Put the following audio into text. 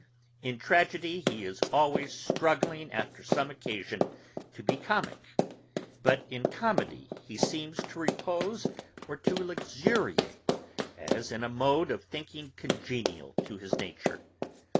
In tragedy he is always struggling after some occasion to be comick; but in comedy he seems to repose, or to luxuriate, as in a mode of thinking congenial to his nature.